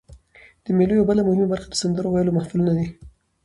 د مېلو یوه بله مهمه برخه د سندرو ویلو محفلونه دي.